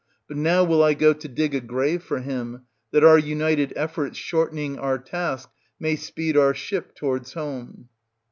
But now will I go to dig a grave for him, that our united efforts shortening our task may speed our ship towards home.